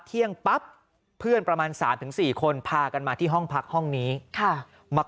เที่ยงปั๊บเพื่อนประมาณ๓๔คนพากันมาที่ห้องพักห้องนี้มา